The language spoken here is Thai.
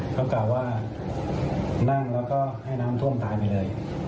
เขากล่าวว่านั่งแล้วก็ให้น้ำท่วมตายไปเลย